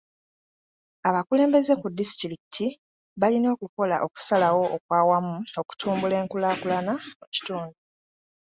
Abakulembeze ku disitulikiti balina okukola okusalawo okw'awamu okutumbula enkulaakulana mu kitundu.